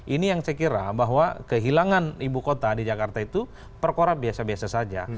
ini yang saya kira bahwa kehilangan ibu kota di jakarta itu perkora biasa biasa saja